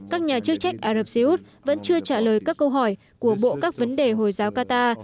các nhà chức trách ả rập xê út vẫn chưa trả lời các câu hỏi của bộ các vấn đề hồi giáo qatar